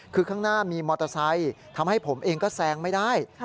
คือข้างหน้ามีมอเตอร์ไซค์ทำให้ผมเองก็แซงไม่ได้